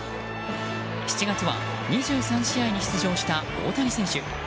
７月は２３試合に出場した大谷選手。